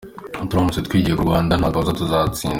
Turamutse twigiye ku Rwanda, ntakabuza tuzatsinda.